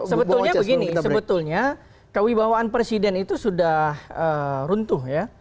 sebetulnya begini sebetulnya kewibawaan presiden itu sudah runtuh ya